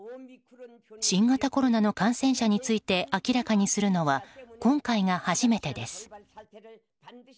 新型コロナの感染者について明らかにするのは今回が初めてです。